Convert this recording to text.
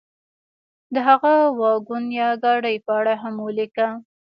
د هغه واګون یا ګاډۍ په اړه هم ولیکه.